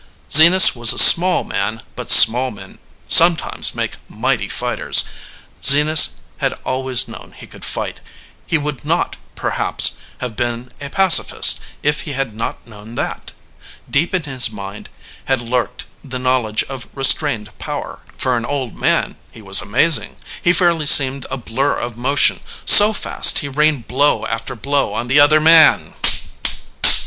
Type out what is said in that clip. Zenas was a small man, but small men sometimes make mighty fighters. Zenas had always known he could fight. He would not, perhaps, have been a pacifist if he had not known that. Deep in his mind had lurked the knowledge of restrained power. For an old man he was amazing. He fairly seemed a blur of motion, so fast he rained blow after blow upon the other man.